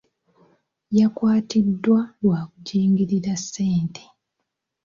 Yakwatiddwa lwa kujingirira ssente.